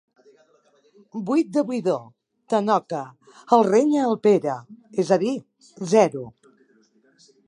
Buit de buidor, tanoca —el renya el Pere—, és a dir, zero.